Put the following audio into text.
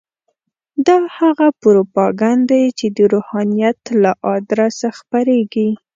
دا هغه پروپاګند دی چې د روحانیت له ادرسه خپرېږي.